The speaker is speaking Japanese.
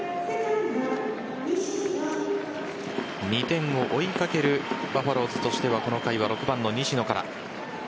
２点を追いかけるバファローズとしてはこの回は６番の西野から。